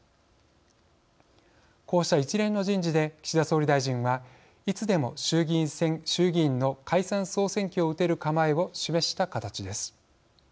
こうした一連の人事で岸田総理大臣はいつでも衆議院の解散・総選挙を打てる構えを示した形です。